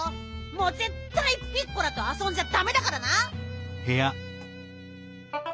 もうぜったいピッコラとあそんじゃダメだからな！